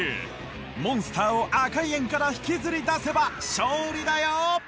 モンスターを赤い円から引きずり出せば勝利だよ！